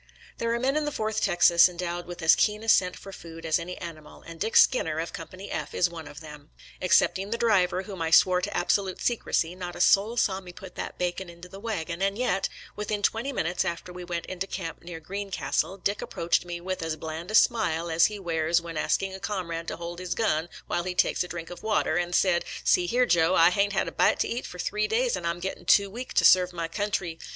There are men in the Fourth Texas endowed with as keen a scent for food as any animal, and Dick Skinner, of Company F, is one of them. Excepting the driver, whom I swore to absolute secrecy, not a soul saw me put that bacon into the wagon, and yet, within twenty minutes after we went into camp near Greencastle, Dick ap proached me with as bland a smile as he wears when asking a comrade to hold his gun while he takes a drink of water, and said, " See here, Joe, I hain't had a bite to eat for three days, and I'm gettin' too weak to serve my country.